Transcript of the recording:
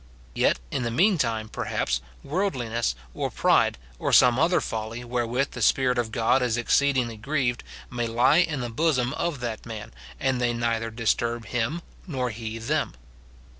Yet, in the meantime, per haps, worldliness, or pride, or some other folly, where with the Spirit of God is exceedingly grieved, may lie in the bosom of that man, and they neither disturb him nor he them.